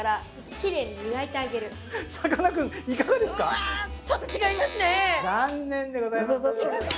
残念でございます。